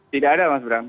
tidak ada mas bram